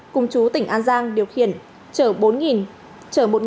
cùng chú tỉnh an giang điều khiển